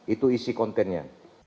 itu isi kontennya